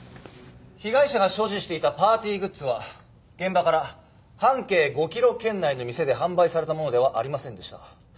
被害者が所持していたパーティーグッズは現場から半径５キロ圏内の店で販売されたものではありませんでした。